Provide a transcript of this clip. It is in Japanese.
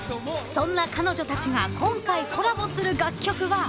［そんな彼女たちが今回コラボする楽曲は］